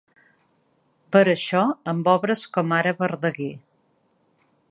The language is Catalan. Per això amb obres com ara Verdaguer.